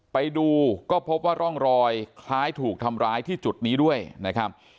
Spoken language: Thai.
ไปดูก็พบว่าร่องรอยคล้ายถูกทำร้ายที่จุดนี้ด้วยนะครับ